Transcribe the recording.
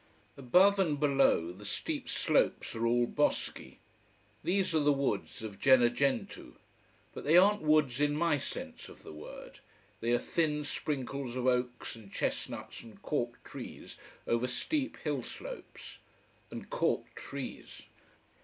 Above and below the steep slopes are all bosky. These are the woods of Gennargentu. But they aren't woods in my sense of the word. They are thin sprinkles of oaks and chestnuts and cork trees over steep hill slopes. And cork trees!